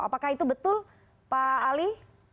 apakah itu betul pak ali